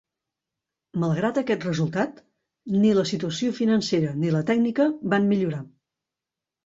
Malgrat aquest resultat, ni la situació financera ni la tècnica van millorar.